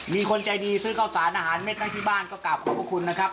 มีคนใจดีซื้อข้าวสารอาหารเม็ดไว้ที่บ้านก็กลับขอบพระคุณนะครับ